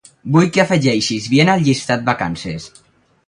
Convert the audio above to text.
Vull que afegeixis Viena al llistat vacances.